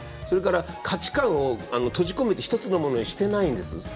それから価値観を閉じ込めて１つのものにしてないんです。